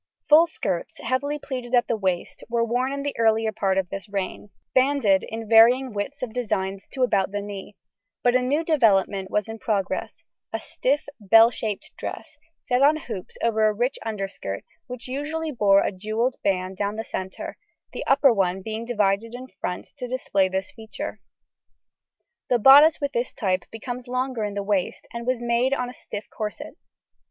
] Full skirts, heavily pleated at the waist, were worn in the earlier part of this reign, banded in varying widths of designs to about the knee; but a new development was in progress a stiff, bell shaped dress, set on hoops over a rich underskirt which usually bore a jewelled band down the centre, the upper one being divided in front to display this feature. The bodice with this type becomes longer in the waist, and was made on a stiff corset.